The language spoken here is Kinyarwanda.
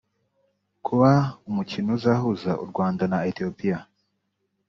Kuba umukino uzahuza u Rwanda na Ethiopia